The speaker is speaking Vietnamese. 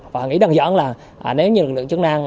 và nghĩ đằng dẫn là nếu như lượng chứng năng